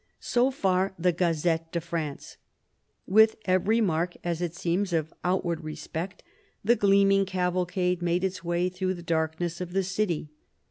So far the Gazette de France. With every mark, as it seems, of outward respect, the gleaming cavalcade made its way through the darkness of the city.